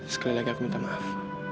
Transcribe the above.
sekali lagi aku minta maaf